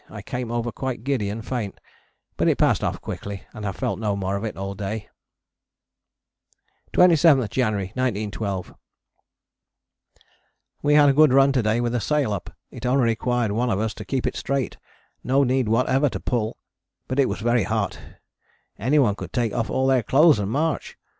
I came over quite giddy and faint, but it passed off quickly and have felt no more of it all day. 27th January 1912. We had a good run to day with the sail up. It only required one of us to keep it straight, no need whatever to pull, but it was very hot, anyone could take off all their clothes and march.